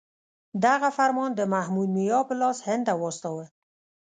دغه فرمان د محمود میا په لاس هند ته واستاوه.